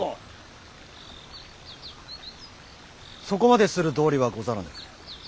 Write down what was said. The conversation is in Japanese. そこまでする道理はござらぬ。